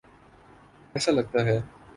ایسا لگتا ہے۔